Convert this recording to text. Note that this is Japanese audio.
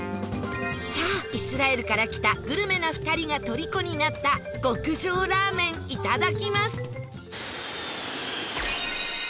さあイスラエルから来たグルメな２人がとりこになった極上ラーメンいただきます